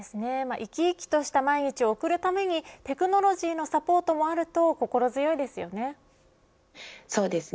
生き生きとした毎日を送るためにテクノロジーのサポートもあると心強いですよね。